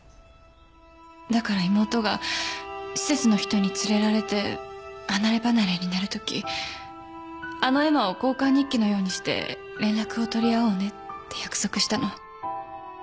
だから妹が施設の人に連れられて離れ離れになるときあの絵馬を交換日記のようにして連絡を取り合おうねって約束したの。